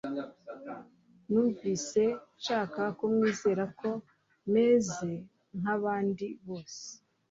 numvise nshaka kumwizeza ko meze nkabandi bose